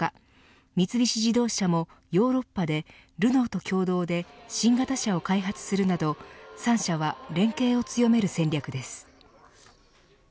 三菱自動車もヨーロッパでルノーと共同で新型車を開発するなど３社は連携を強める戦略です。